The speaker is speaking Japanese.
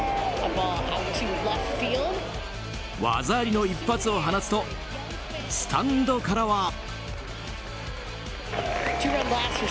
技ありの一発を放つとスタンドからは。